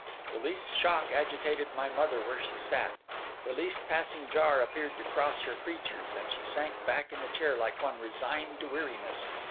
The least shock agitated my mother where she sat; the least passing jar appeared to cross her features; and she sank back in the chair like one resigned to weariness.